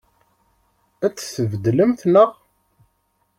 Ad t-tbeddlemt, naɣ?